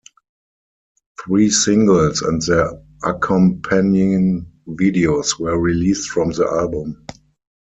Three singles and their accompanying videos were released from the album.